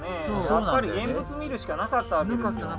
やっぱり現物見るしかなかったわけですよ。